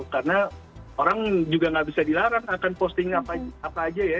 karena orang juga tidak bisa dilarang akan posting apa saja ya